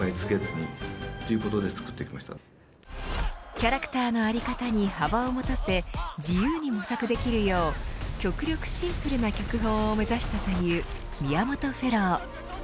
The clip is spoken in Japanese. キャラクターの在り方に幅を持たせ自由に模索できるよう極力シンプルな脚本を目指したという宮本フェロー。